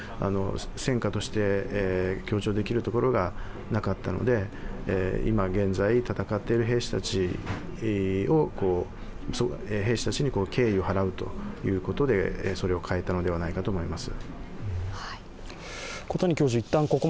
戦果として強調できるところがなかったので、今現在戦っている兵士たちに敬意を払うということでそれを変えたのではないかと思います。